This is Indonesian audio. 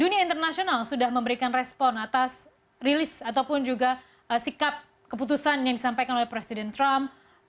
dunia internasional sudah memberikan respon atas rilis ataupun juga sikap keputusan yang disampaikan oleh presiden trump